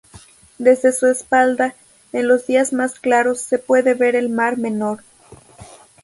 Desde su espalda, en los días más claros, se puede ver el Mar Menor.